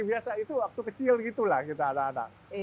biasa itu waktu kecil gitu lah kita anak anak